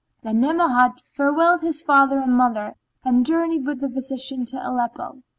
Then Ni'amah farewelled his father and mother and journeyed with the physician to Aleppo.